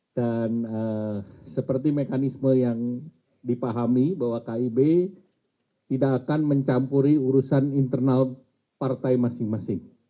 dan seperti mekanisme yang dipahami bahwa kib tidak akan mencampuri urusan internal partai masing masing